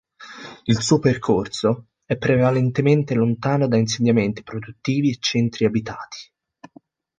Il suo percorso è prevalentemente lontano da insediamenti produttivi e centri abitati.